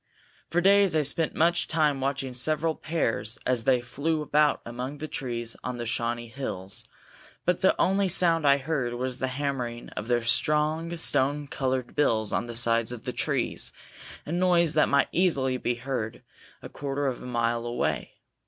For days I spent much time watching several pairs as they flew about among the trees on the Shawnee Hills, but the only sound I heard was the hammering of their strong stone colored bills on the sides of the trees, a noise that might easily be heard a quarter of a mile away.